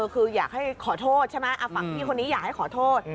คืออยากให้ขอโทษใช่ไหมฝั่งพี่คนนี้อยากให้ขอโทษ